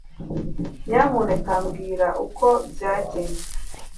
nyamuneka mbwira. uko byagenze